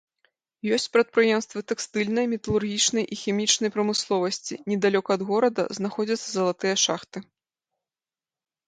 Ёсць прадпрыемствы тэкстыльнай, металургічнай і хімічнай прамысловасці, недалёка ад горада знаходзяцца залатыя шахты.